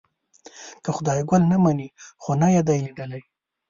که خدای ګل نه مني خو نه یې دی لیدلی.